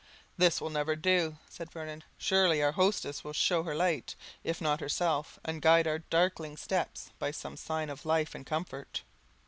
"This will never do," said Vernon; "surely our hostess will show her light, if not herself, and guide our darkling steps by some sign of life and comfort."